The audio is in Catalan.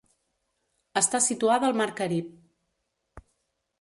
Està situada al mar Carib.